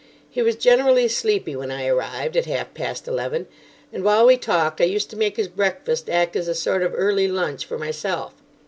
He was generally sleepy when I arrived, at half past eleven, and while we talked I used to make his breakfast act as a sort of early lunch for myself.